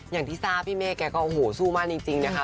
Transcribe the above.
อย่างที่ทราบพี่เมฆแกก็โอ้โหสู้มากจริงนะคะ